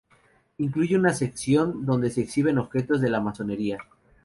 Incluye una sección donde se exhiben objetos de la masonería.